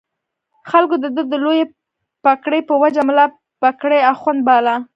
خلکو د ده د لویې پګړۍ په وجه ملا پګړۍ اخُند باله.